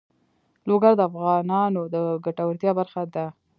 لوگر د افغانانو د ګټورتیا برخه ده.